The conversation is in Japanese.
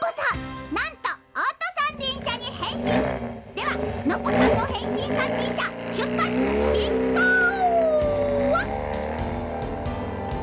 ではノッポさんのへんしんさんりんしゃしゅっぱつしんこう！